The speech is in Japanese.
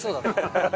ハハハハ！